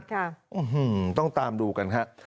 ค่ะอื้อฮือต้องตามดูกันค่ะ